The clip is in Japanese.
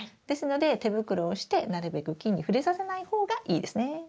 ですので手袋をしてなるべく菌に触れさせない方がいいですね。